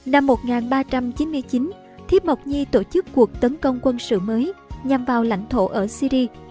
năm một nghìn ba trăm chín mươi chín thí mộc nhi tổ chức cuộc tấn công quân sự mới nhằm vào lãnh thổ ở syri